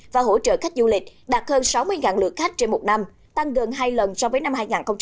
và hỗ trợ khách du lịch đạt hơn sáu mươi lượt khách trên một năm tăng gần hai lần so với năm hai nghìn một mươi tám